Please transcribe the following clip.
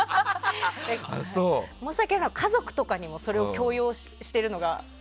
申し訳ないのは、家族とかにもそれを強要しているのが。